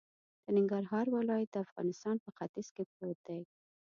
د ننګرهار ولایت د افغانستان په ختیځ کی پروت دی